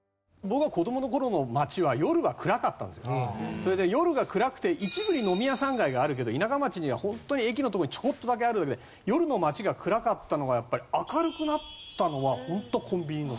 それで夜が暗くて一部に飲み屋さん街があるけど田舎町にはホントに駅のとこにちょこっとだけあるだけで夜の町が暗かったのがやっぱり明るくなったのはホントコンビニの。